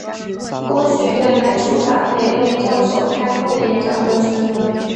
公学院还出版每位教授开幕演讲的全文。